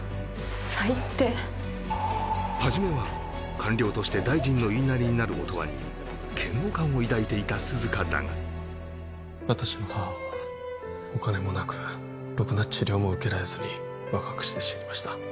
最低はじめは官僚として大臣の言いなりになる音羽に嫌悪感を抱いていた涼香だが私の母はお金もなくろくな治療も受けられずに若くして死にました